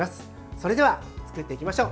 それでは作っていきましょう。